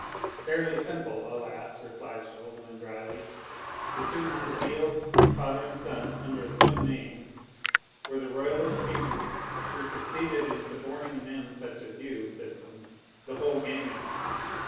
"Fairly simply, alas!" replied Chauvelin dryly. "The two Montorgueils, father and son, under assumed names, were the Royalist agents who succeeded in suborning men such as you, citizen the whole gang of you.